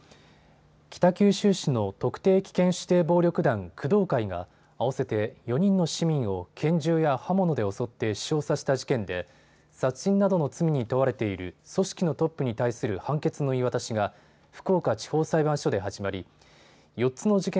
北九州市の特定危険指定暴力団工藤会が合わせて４人の市民を拳銃や刃物で襲って死傷させた事件で殺人などの罪に問われている組織のトップに対する判決の言い渡しが福岡地方裁判所で始まり４つの事件